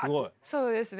そうですね。